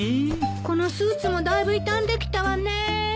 このスーツもだいぶ傷んできたわね。